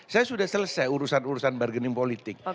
saya sudah selesai urusan urusan bargaining politik